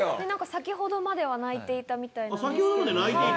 先ほどまでは鳴いていたみたいなんですけど。